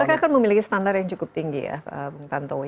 mereka kan memiliki standar yang cukup tinggi ya pak tantowi